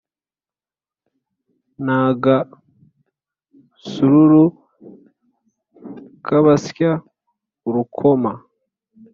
Nta gasururu k' abasya urukoma